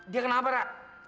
dia kenapa ra